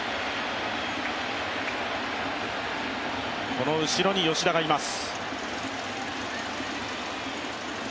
この後ろに吉田がいます。